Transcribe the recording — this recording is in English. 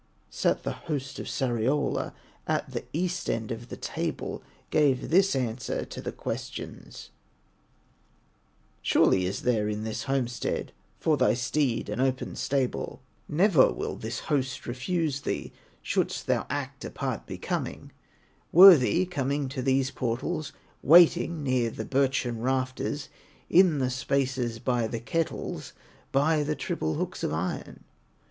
Sat the host of Sariola At the east end of the table, Gave this answer to the questions: "Surely is there in this homestead, For thy steed an open stable, Never will this host refuse thee, Shouldst thou act a part becoming, Worthy, coming to these portals, Waiting near the birchen rafters, In the spaces by the kettles, By the triple hooks of iron."